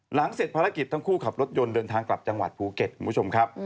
หลังเสร็จภารกิจทั้งคู่ขับรถยนต์เดินทางกลับจังหวัดภูเก็ตคุณผู้ชมครับ